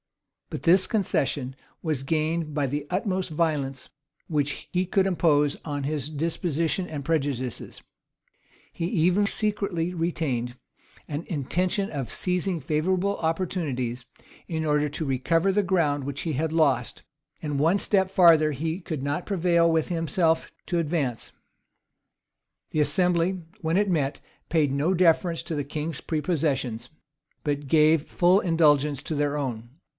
[] But this concession was gained by the utmost violence which he could impose on his disposition and prejudices: he even secretly retained an intention of seizing favorable opportunities, in order to: recover the ground which he had lost.[] And one step farther he could not prevail with himself to advance. The assembly, when it met, paid no deference to the king's prepossessions, but gave full indulgence to their own.